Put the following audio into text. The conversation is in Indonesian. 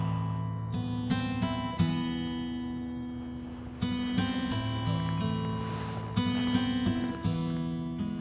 aku juga begitu beb